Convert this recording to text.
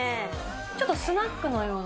ちょっとスナックのような。